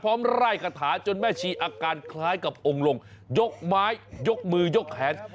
ไล่คาถาจนแม่ชีอาการคล้ายกับองค์ลงยกไม้ยกมือยกแขน